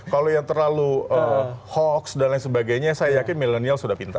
kalau yang terlalu hoax dan lain sebagainya saya yakin milenial sudah pintar